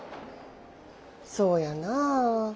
そうやなあ。